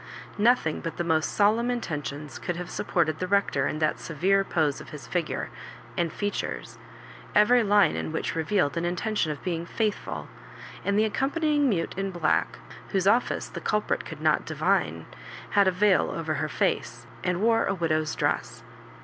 No thing but the most solemn intentions could have supported the Rector in that severe pose of his figure and features, every line in which revealed an intention of being "faithful;" and the accom panying mute in black, whose office the culprit could not divine, had a veil over her face, and wore a widow's dress.